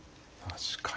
確かに。